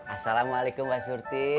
assalamualaikum mbak surti